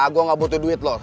gue gak butuh duit loh